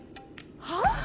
はあ？